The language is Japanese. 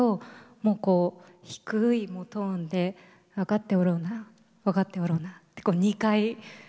もうこう低いトーンで「分かっておろうな分かっておろうな」って２回。